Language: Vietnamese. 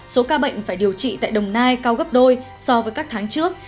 số ca bệnh phải điều trị tại đồng nai cao gấp đôi so với các tháng trước